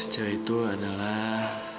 cewek itu adalah